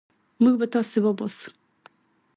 موږ به تاسي وباسو.